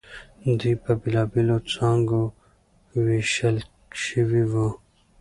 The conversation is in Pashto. دوی پر بېلابېلو څانګو وېشل شوي وو.